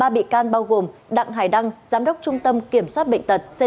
ba bị can bao gồm đặng hải đăng giám đốc trung tâm kiểm soát bệnh tật tỉnh cà mau